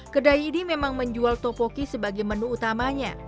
kedai ini memang menjual topoki sebagai menu utamanya